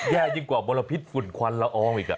แย่ยิ่งกว่ามลพิษฝุ่นควันละอองอีก